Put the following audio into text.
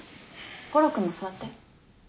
悟郎君も座って。